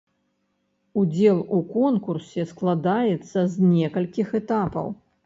Удзел у конкурсе складаецца з некалькіх этапаў.